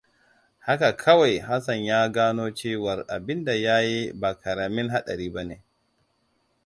Haka kawai Hassan ya gano cewar abinda ya yi ba ƙaramin haɗari ba ne.